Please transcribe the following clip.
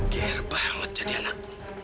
ger banget jadi anak